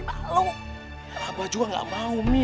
abah juga gak mau umi